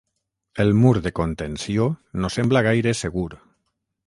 El mur de contenció no sembla gaire segur